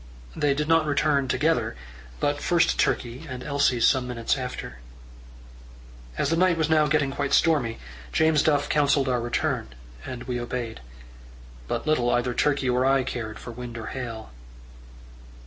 They did not return together, but first Turkey, and Elsie some minutes after. As the night was now getting quite stormy, James Duff counselled our return, and we obeyed. But little either Turkey or I cared for wind or hail.